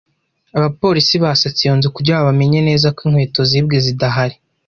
Abapolisi basatse iyo nzu kugira ngo bamenye neza ko inkweto zibwe zidahari.